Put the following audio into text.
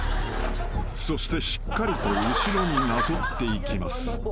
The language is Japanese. ［そしてしっかりと後ろになぞっていきます］